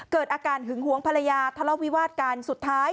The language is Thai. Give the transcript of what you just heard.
เกิดอาการหึงหวงภรรยาทะเลาะวิวาดกันสุดท้าย